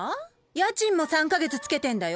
家賃も３か月ツケてんだよ？